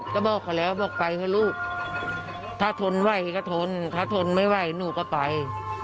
ก็บอกเขาแล้วบอกไปเถอะลูกถ้าทนไหวก็ทนถ้าทนไม่ไหวหนูก็ไป